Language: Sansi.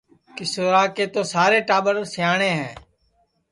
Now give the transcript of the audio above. کیشورا کے تو سارے ٹاٻر سیاٹؔے ہے